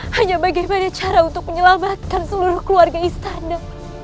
hanya bagaimana cara untuk menyelamatkan seluruh keluarga istana